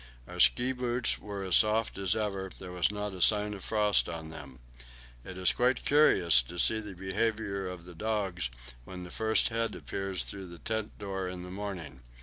Our ski boots were as soft as ever; there was not a sign of frost on them. It is quite curious to see the behaviour of the dogs when the first head appears through the tent door in the morning.